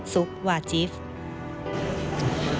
ซุปวาจิฟต์